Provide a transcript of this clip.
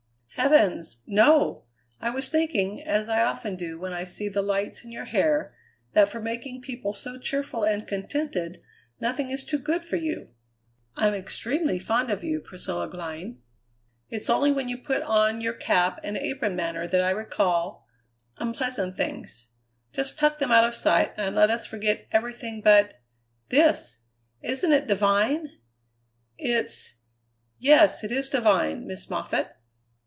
"Heavens! no! I was thinking, as I often do when I see the lights in your hair, that for making people so cheerful and contented nothing is too good for you. I'm extremely fond of you, Priscilla Glynn! It's only when you put on your cap and apron manner that I recall unpleasant things. Just tuck them out of sight and let us forget everything but this! Isn't it divine?" "It's yes, it is divine, Miss Moffatt."